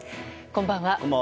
こんばんは。